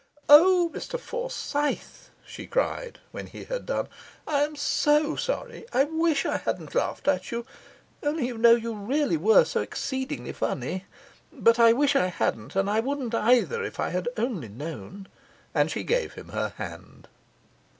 'O, Mr Forsyth,' she cried, when he had done, 'I am so sorry! wish I hadn't laughed at you only you know you really were so exceedingly funny. But I wish I hadn't, and I wouldn't either if I had only known.' And she gave him her hand.